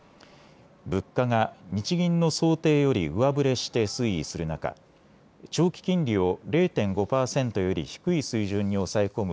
物価が日銀の想定より上振れして推移する中、長期金利を０．５％より低い水準に抑え込む